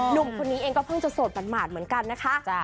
หนุ่มคนนี้เองก็เพิ่งจะโสดหมาดเหมือนกันนะคะ